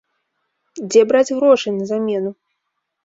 Дзе браць грошы на замену?